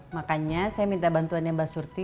makanya saya minta bantuannya mbak surti